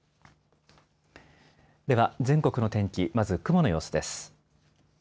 では全国の天気、まず雲の様子です。